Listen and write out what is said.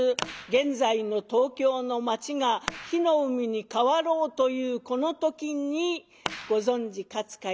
現在の東京の街が火の海に変わろうというこの時にご存じ勝海舟